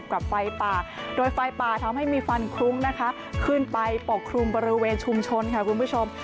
กับไฟป่าโดยไฟป่าทำให้มีฟันคลุ้งนะคะขึ้นไปปกคลุมบริเวณชุมชนค่ะคุณผู้ชม